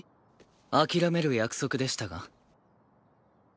諦める約束でしたが？